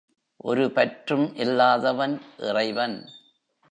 ஒரு பற்றும் இல்லாதவன் இறைவன்.